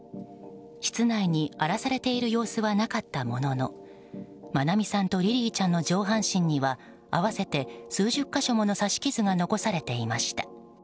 室内に荒らされている様子はなかったものの愛美さんとリリィちゃんの上半身には合わせて数十か所もの刺し傷が残されていました。